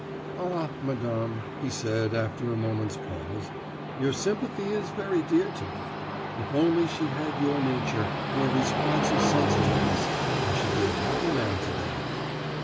"Ah, madame," he said, after a moment's pause, "your sympathy is very dear to me! If only she had your nature, your responsive sensitiveness, I should be a happy man today.